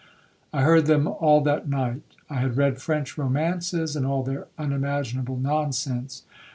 I heard them all that night. I had read French romances, and all their unimaginable nonsense.